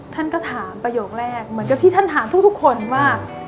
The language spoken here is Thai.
ท่านก็ถามประโยคแรกเหมือนกับที่ท่านถามทุกคนว่า